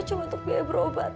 coba untuk biaya berobat